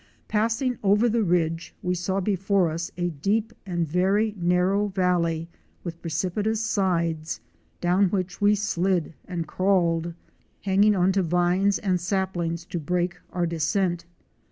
Passing over the ridge we saw before us a deep and very narrow valley with precipitous sides, down which we slid and crawled, hanging on to vines and saplings to break our de scent.